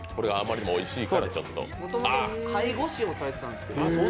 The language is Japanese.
もともと介護士をされていたんですけど。